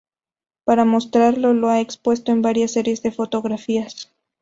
Para mostrarlo lo ha expuesto en varias series de fotografías.